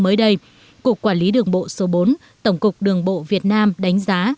mới đây cục quản lý đường bộ số bốn tổng cục đường bộ việt nam đánh giá